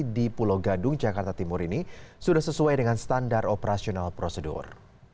di pulau gadung jakarta timur ini sudah sesuai dengan standar operasional prosedur